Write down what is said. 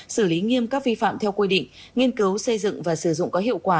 xử lý nghiêm các vi phạm theo quy định nghiên cứu xây dựng và sử dụng có hiệu quả